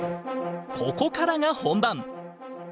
ここからが本番。